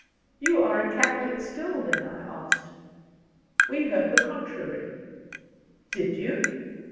"You are a Catholic still then?" I asked. "We heard the contrary." "Did you?